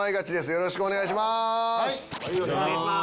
よろしくお願いします！